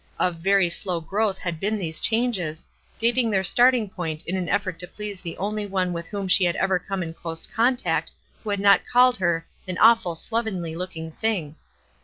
Of very slow growth had been these changes, dating their starting point in an effort to please the only one with whom she had ever came in close contact who had not called her "an awful slovenly looking thing."